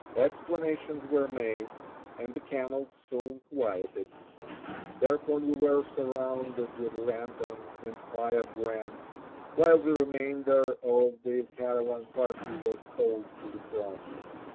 Explanations were made, and the camels soon quieted. Thereupon we were surrounded with lanterns and firebrands, while the remainder of the caravan party was called to the front.